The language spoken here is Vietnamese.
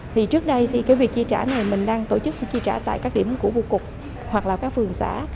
thì trước đây thì cái việc chi trả này mình đang tổ chức chi trả tại các điểm của bùa cục hoặc là các phường xã